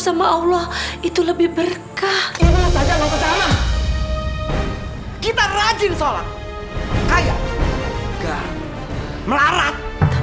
sama allah itu lebih berkah kita rajin sholat kaya melarat